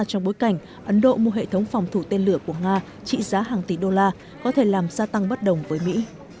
trong bối cảnh ấn độ mua hệ thống phòng thủ tên lửa của nga trị giá hàng tỷ đô la có thể làm gia tăng bất đồng với mỹ